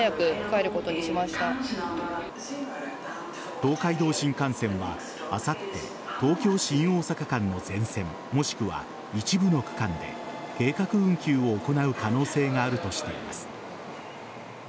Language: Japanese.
東海道新幹線は、あさって東京新大阪間の全線もしくは一部の区間で計画運休を行う可能性があるとしています。